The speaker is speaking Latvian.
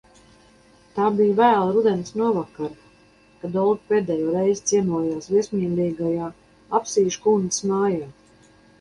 Tā bija vēla rudens novakare, kad Olga pēdējo reizi ciemojās viesmīlīgajā Apsīškundzes mājā.